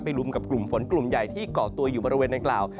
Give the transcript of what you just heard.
ลุมกับกลุ่มฝนกลุ่มใหญ่ที่เกาะตัวอยู่บริเวณดังกล่าว